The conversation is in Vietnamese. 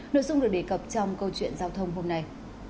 nội dung được đề cập trong câu chuyện giao thông hôm nay